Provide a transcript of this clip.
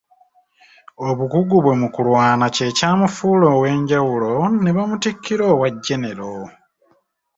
Obukugu bwe mu kulwana kye kyamufuula ow'enjawulo ne bamutikkira obwa genero.